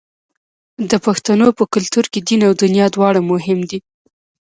د پښتنو په کلتور کې دین او دنیا دواړه مهم دي.